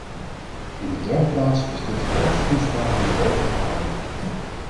In de derde plaats is dit de kortste toespraak die ik ooit heb gehouden!